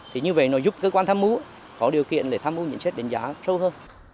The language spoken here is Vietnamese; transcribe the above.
thì như vậy nó giúp cơ quan thăm mũ có điều kiện để thăm mũ nhận xét đánh giá sâu hơn